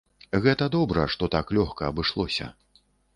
Гэта добра, што так лёгка абышлося.